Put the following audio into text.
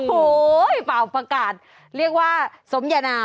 โอ้โหมาอภักดาภารกาศเรียกว่าสมแยนอำ